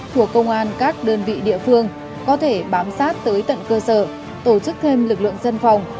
của công an các đơn vị địa phương có thể bám sát tới tận cơ sở tổ chức thêm lực lượng dân phòng